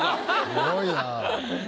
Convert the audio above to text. すごいな。